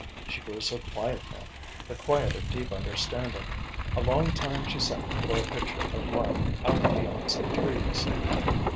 She grew so quiet then: the quiet of deep understanding. A long time she sat before a picture of light out beyond some trees.